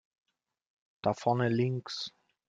Da vorne links!